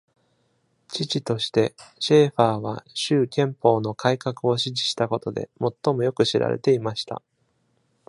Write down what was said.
知事として、シェーファーは州憲法の改革を支持したことで最もよく知られていました。